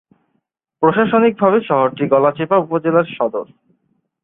প্রশাসনিকভাবে শহরটি গলাচিপা উপজেলার সদর।